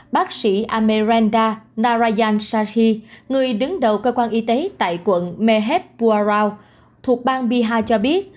bác sĩ amerenda narayan shahi người đứng đầu cơ quan y tế tại quận mehebwarao thuộc bang piha cho biết